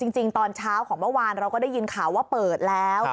จริงตอนเช้าของเมื่อวานเราก็ได้ยินข่าวว่าเปิดแล้ว